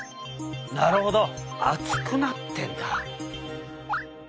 なるほど厚くなってんだ。